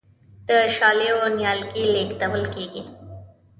د شالیو نیالګي لیږدول کیږي.